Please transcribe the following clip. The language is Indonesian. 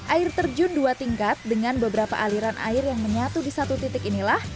air terjun dua tingkat dengan beberapa aliran air yang menyatu di satu titik inilah